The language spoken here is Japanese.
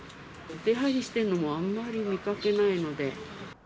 出はいりしているのもあんまり見かけないので。